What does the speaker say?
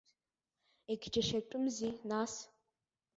Егьџьашьатәымзи нас.